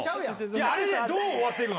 あれでどう終わってくの？